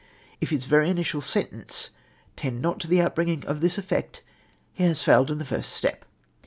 If his very initial sentence tend not to the outbringing of this effect, he has failed in the first step.